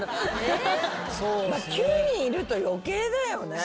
９人いると余計だよね。